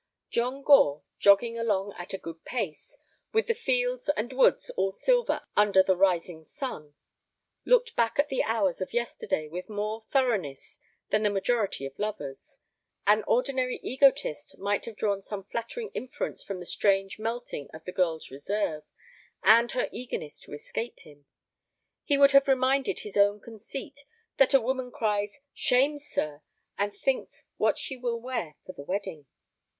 John Gore, jogging along at a good pace, with the fields and woods all silver under the rising sun, looked back at the hours of yesterday with more thoroughness than the majority of lovers. An ordinary egotist might have drawn some flattering inference from the strange melting of the girl's reserve and her eagerness to escape him. He would have reminded his own conceit that a woman cries, "Shame, sir!" and thinks what she will wear for the wedding.